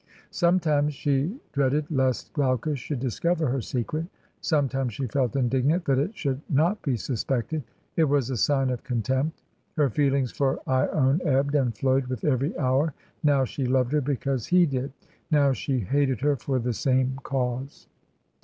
... Sometimes she dread ed lest Glaucus should discover her secret; sometimes she felt indignant that it should not be suspected; it was a sign of contempt. ... Her feelings for lone ebbed and flowed with every hour; now she loved her because he did; now she hated her for the same cause.